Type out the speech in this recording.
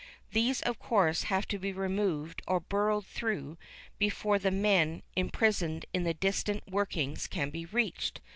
These, of course, have to be removed or burrowed through before the men imprisoned in the distant workings can be reached.